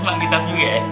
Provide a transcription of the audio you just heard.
mak ditanggung ya